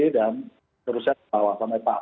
dan terusnya bawah